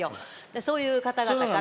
そういう方々から。